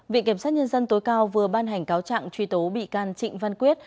viện kiểm sát nhân dân tối cao vừa ban hành cáo trạng truy tố bị can trịnh văn quyết